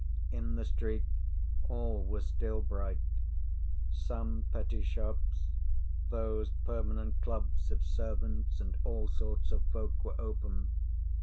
In the street all was still bright. Some petty shops, those permanent clubs of servants and all sorts of folk, were open.